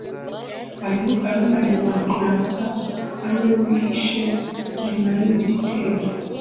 barimo Kayumba Nyamwasa aribo bihishe inyuma y’ibi bitero